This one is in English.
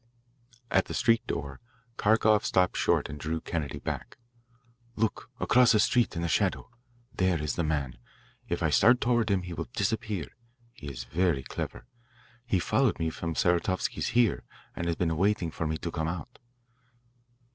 At the street door Kharkoff stopped short and drew Kennedy back. "Look across the street in the shadow. There is the man. If I start toward him he will disappear; he is very clever. He followed me from Saratovsky's here, and has been waiting for me to come out."